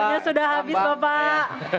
waktunya sudah habis bapak